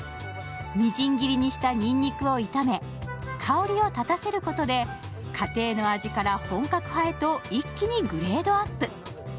みじん切りにしたにんにくを炒め、香りを立たせることで家庭の味から本格派へと一気にグレードアップ。